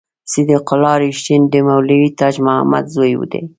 صدیق الله رښتین د مولوي تاج محمد زوی دی.